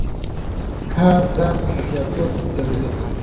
کار ځان بسیا توب زیاتوي.